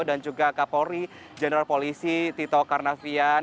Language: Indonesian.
dan juga kapolri general polisi tito karnavian